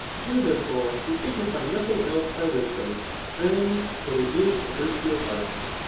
Here, therefore, we signify nothing eke by wisdom, than that it is the virtue of art.